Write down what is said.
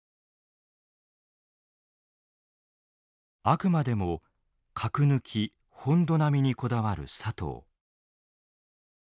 あくまでも「核抜き・本土並み」にこだわる佐藤。